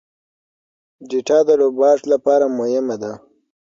ډاټا د روباټ لپاره مهمه ده.